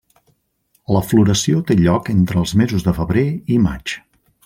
La floració té lloc entre els mesos de febrer i maig.